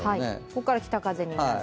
ここから北風になる。